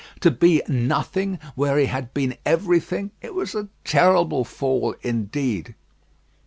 To be nothing where he had been everything; it was a terrible fall indeed.